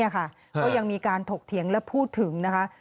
ก็ยังมีการถกเถียงและพูดถึงนะคะ